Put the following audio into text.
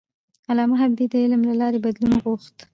علامه حبيبي د علم له لارې بدلون غوښت.